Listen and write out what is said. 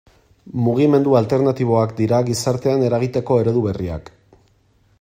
Mugimendu alternatiboak dira gizartean eragiteko eredu berriak.